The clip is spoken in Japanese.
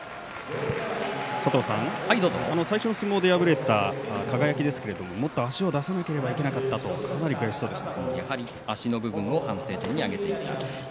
最初の相撲で敗れた輝ですがもっと足を出さなければいけなかったと悔しそうでした。